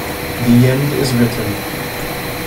The End Is Written.